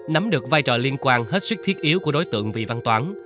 nắm được vai trò liên quan hết sức thiết yếu của đối tượng vị văn toán